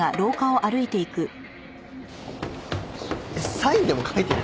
サインでも書いてる？